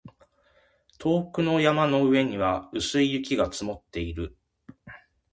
遠くの山の上には薄い雪が積もっている